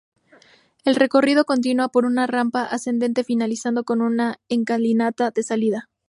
El recorrido continúa por una rampa ascendente, finalizando con una escalinata de salida.